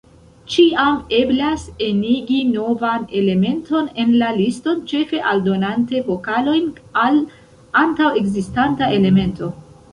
Ĉiam eblas enigi novan elementon en la liston, ĉefe aldonante vokalojn al antaŭ-ekzistanta elemento.